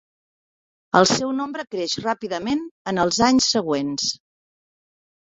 El seu nombre creix ràpidament en els anys següents.